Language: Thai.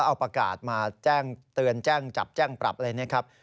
เอาประกาศมาแจ้งเตือนแจ้งจับแจ้งปรับอะไรนะครับ